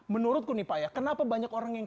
menurutku nih pak ya kenapa banyak orang yang